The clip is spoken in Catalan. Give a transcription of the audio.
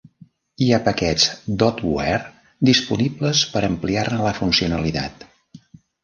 Hi ha paquets d'Optware disponibles per ampliar-ne la funcionalitat.